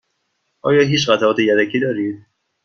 آیا هیچ قطعات یدکی دارید؟